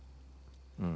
うん。